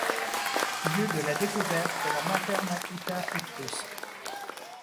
Lieu de la découverte de la Mater Matuta étrusque.